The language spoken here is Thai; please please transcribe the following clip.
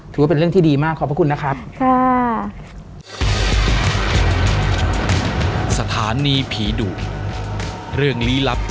ถือว่าเป็นเรื่องที่ดีมากขอบพระคุณนะครับ